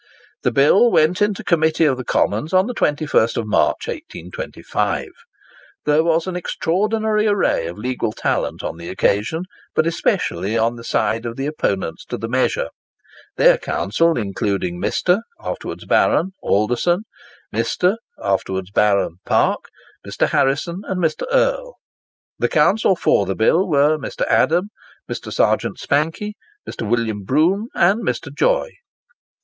The Bill went into Committee of the Commons on the 21st of March, 1825. There was an extraordinary array of legal talent on the occasion, but especially on the side of the opponents to the measure; their counsel including Mr. (afterwards Baron) Alderson, Mr. (afterwards Baron) Parke, Mr. Harrison, and Mr. Erle. The counsel for the bill were Mr. Adam, Mr. Serjeant Spankie, Mr. William Brougham, and Mr. Joy.